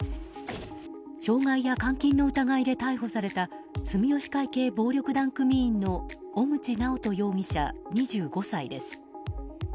傷害や監禁の疑いで逮捕された住吉会系暴力団員の小口直斗容疑者２５歳です。